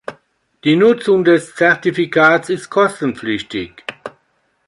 Die Nutzung des Zertifikats ist kostenpflichtig.